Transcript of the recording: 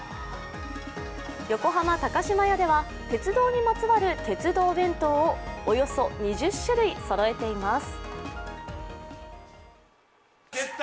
横浜・高島屋では鉄道にまつわる鉄道弁当をおよそ２０種類そろえています。